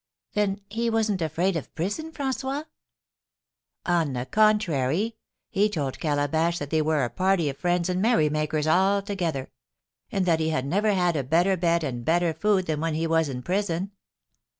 "Then he wasn't afraid of prison, François?" "On the contrary; he told Calabash that they were a party of friends and merrymakers all together; and that he had never had a better bed and better food than when he was in prison.